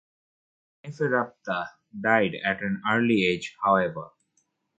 Neferuptah died at an early age, however.